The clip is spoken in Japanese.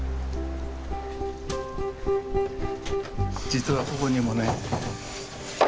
実はここにもね。